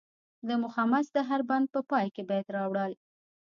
د مخمس د هر بند په پای کې بیت راوړل.